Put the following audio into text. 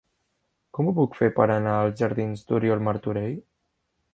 Com ho puc fer per anar als jardins d'Oriol Martorell?